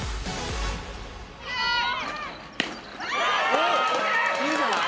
おっいいんじゃない？